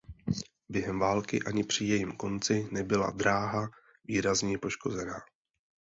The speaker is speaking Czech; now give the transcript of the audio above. Během války ani při jejím konci nebyla dráha výrazněji poškozena.